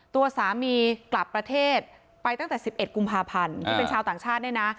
ตัวสามีกลับประเทศไปตั้งแต่๑๑กุมภาพันธ์ที่เป็นชาวต่างชาติเนี่ยนะ